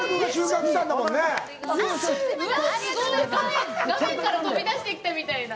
画面から飛び出してきたみたいな。